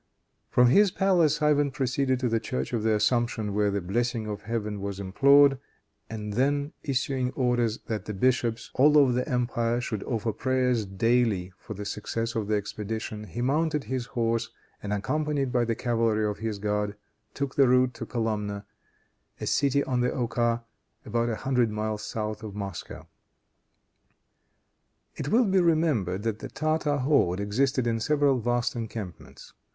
From his palace Ivan proceeded to the church of the Assumption, where the blessing of Heaven was implored, and then issuing orders that the bishops, all over the empire, should offer prayers daily for the success of the expedition, he mounted his horse, and accompanied by the cavalry of his guard, took the route to Kolumna, a city on the Oka, about a hundred miles south of Moscow. It will be remembered that the Tartar horde existed in several vast encampments.